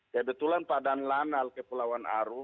kebetulan pak danlanal kepulauan aru